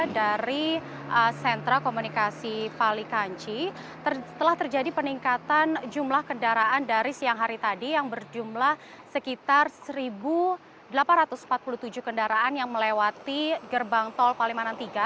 dari sentra komunikasi palikanci telah terjadi peningkatan jumlah kendaraan dari siang hari tadi yang berjumlah sekitar satu delapan ratus empat puluh tujuh kendaraan yang melewati gerbang tol palimanan tiga